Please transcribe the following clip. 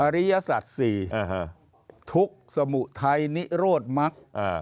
ริยสัตว์๔ทุกข์สมุทัยนิโรธมัก